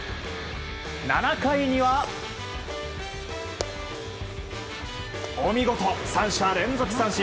７回には、お見事三者連続三振。